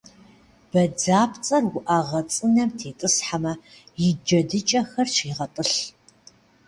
Бадзапцӏэр уӏэгъэ цӏынэм тетӏысхьэмэ, и джэдыкӏэхэр щегъэтӏылъ.